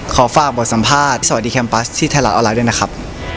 ขอฝากบทสัมภาษณ์สวัสดีแคมปัสที่ไทยรัฐออนไลน์ด้วยนะครับ